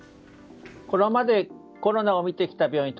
これまでコロナを診てきた病院